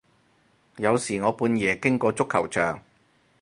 有時我半夜經過足球場